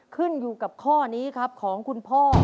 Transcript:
ขึ้นอยู่กับข้อนี้ครับของคุณพ่อ